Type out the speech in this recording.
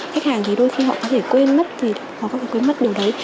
khách hàng thì đôi khi họ có thể quên mất thì họ có quên mất điều đấy